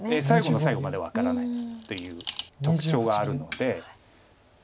最後の最後まで分からないという特徴があるので。